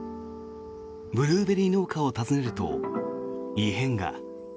ブルーベリー農家を訪ねると異変が。